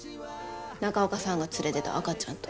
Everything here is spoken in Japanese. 中岡さんが連れてた赤ちゃんと。